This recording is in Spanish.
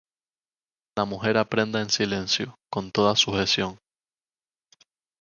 La mujer aprenda en silencio, con toda sujeción.